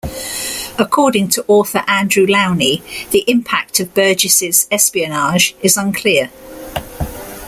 According to author Andrew Lownie, the impact of Burgess's espionage is unclear.